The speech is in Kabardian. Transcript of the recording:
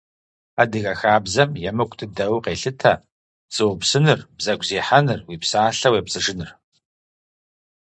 Адыгэ хабзэм емыкӀу дыдэу къелъытэ пцӀы упсыныр, бзэгу зехьэныр, уи псалъэ уепцӀыжыныр.